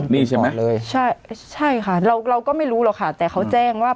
นี่ใช่ไหมเลยใช่ใช่ค่ะเราเราก็ไม่รู้หรอกค่ะแต่เขาแจ้งว่า